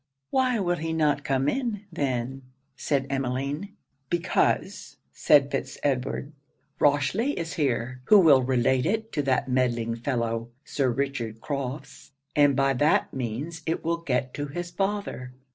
'Why will he not come in, then?' said Emmeline. 'Because,' said Fitz Edward, 'Rochely is here, who will relate it to that meddling fellow, Sir Richard Crofts, and by that means it will get to his father.